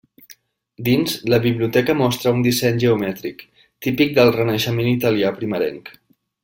Dins, la biblioteca mostra un disseny geomètric, típic del Renaixement italià primerenc.